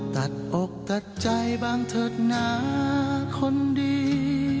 ตัดอกตัดใจบ้างเถิดหนาคนดี